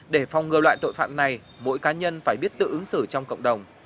để phòng ngừa loại tội phạm này mỗi cá nhân phải biết tự ứng xử trong cộng đồng